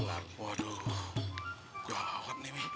waduh gawat nih mi